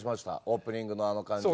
オープニングのあの感じ。